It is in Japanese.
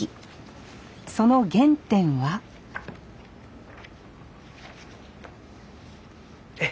その原点はええ。